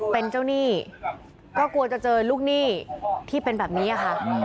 เป็นเจ้าหนี้ก็กลัวจะเจอลูกหนี้ที่เป็นแบบนี้ค่ะ